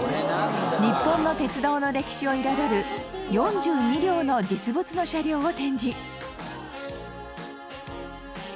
日本の鉄道の歴史を彩る４２両の実物の車両を展示